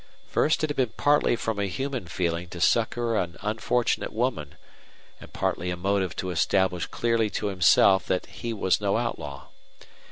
First it had been partly from a human feeling to succor an unfortunate woman, and partly a motive to establish clearly to himself that he was no outlaw.